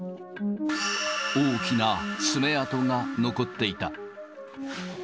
大きな爪痕が残っていた。